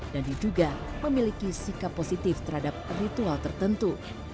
dan juga memiliki sikap positif terhadap ritual tertentu